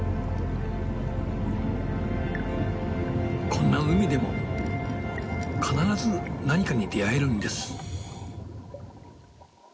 こんな海でも必ず何かに出会えるんです。